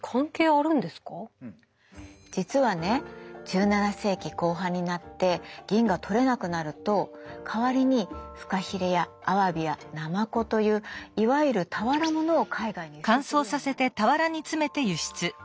実はね１７世紀後半になって銀が採れなくなると代わりにフカヒレやアワビやナマコといういわゆる俵物を海外に輸出するようになるの。